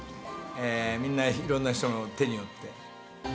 みんないろんな人の手によって。